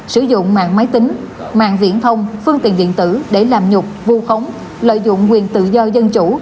sử dụng mạng máy tính mạng viễn thông phương tiện điện tử để làm nhục vu khống lợi dụng quyền tự do dân chủ